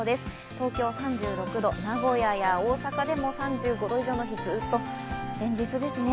東京３６度、名古屋や大阪でも３５度以上の日ずっと、連日ですね。